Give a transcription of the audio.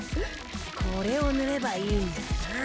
これを塗ればいいんだな？